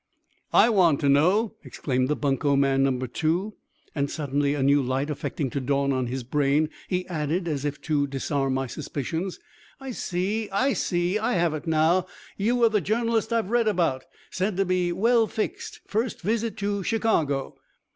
"I want to know!" exclaimed bunco man number two; and suddenly, a new light affecting to dawn on his brain, he added, as if to disarm my suspicions, "I see. I see. I have it now. You are the journalist I've read about, said to be well fixed first visit to Chicago?"